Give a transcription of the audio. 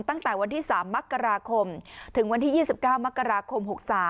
ตั้งแต่วันที่๓มกราคมถึงวันที่๒๙มกราคม๖๓